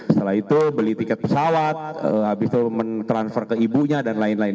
setelah itu beli tiket pesawat habis itu mentransfer ke ibunya dan lain lain